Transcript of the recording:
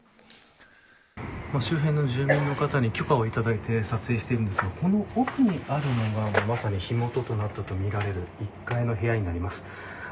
周辺の住民の方に許可をいただいて撮影しているんですがこの奥にあるのが、まさに火元となったとみられる１階の部屋になります。